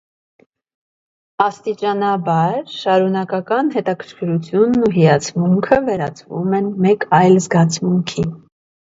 Աստիճանաբար, շարունակական հետաքրքրությունն ու հիացմունքը վերածվում են մեկ այլ զգացմունքի։